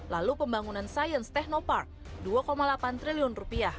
lalu pembangunan sains technopark rp dua delapan triliun